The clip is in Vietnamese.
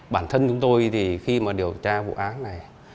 bản thân chúng tôi thì khi mà điều tra vụ án này